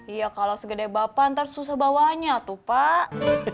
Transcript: iya kalau segede bapak ntar susah bawanya tuh pak